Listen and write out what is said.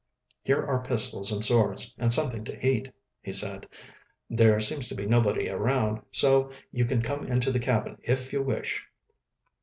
"Here are pistols and swords, and something to eat," he said. "There seems to be nobody around, so you can come into the cabin, if you wish."